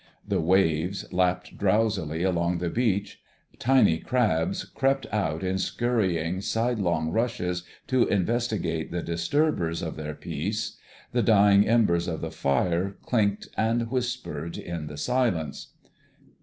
The waves lapped drowsily along the beach; tiny crabs crept out in scurrying, sidelong rushes to investigate the disturbers of their peace; the dying embers of the fire clinked and whispered in the silence.